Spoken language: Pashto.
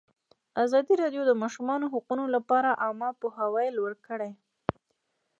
ازادي راډیو د د ماشومانو حقونه لپاره عامه پوهاوي لوړ کړی.